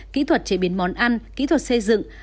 kỹ thuật chế biến món ăn kỹ thuật xây dựng